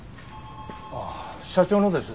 ああ社長のです。